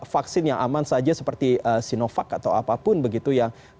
vaksin yang aman saja seperti sinovac atau apapun begitu yang